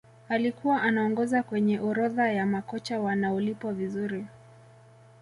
alikuwa anaongoza kwenye orodha ya makocha wanaolipwa vizuri